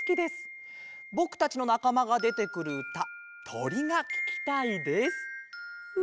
ぼくたちのなかまがでてくるうた『とり』がききたいです」。